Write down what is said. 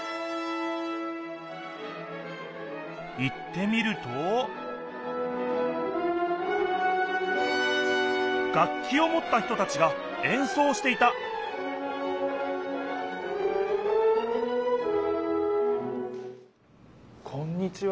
行ってみると楽きをもった人たちがえんそうをしていたこんにちは。